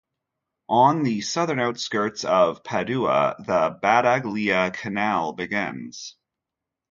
On the southern outskirts of Padua, the Battaglia Canal begins.